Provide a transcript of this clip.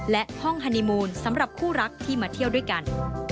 และห้องฮานีมูลสำหรับคู่รักที่มาเที่ยวด้วยกัน